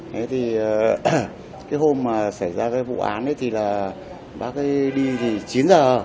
thế thì cái hôm mà xảy ra cái vụ án ấy thì là bác ấy đi thì chín giờ